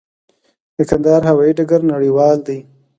د کندهار هوايي ډګر نړیوال دی؟